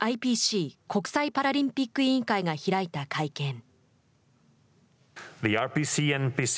ＩＰＣ＝国際パラリンピック委員会が開いた会見。